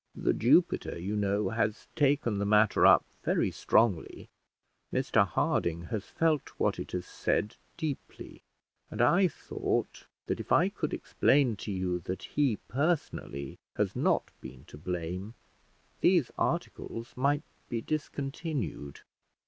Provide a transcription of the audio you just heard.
"The Jupiter, you know, has taken the matter up very strongly. Mr Harding has felt what it has said deeply; and I thought that if I could explain to you that he personally has not been to blame, these articles might be discontinued."